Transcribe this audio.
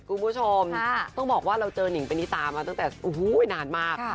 คุณผู้ชมต้องบอกว่าเราเจอหญิงปณิตามาตั้งแต่อู้หู้ไม่นานมากค่ะ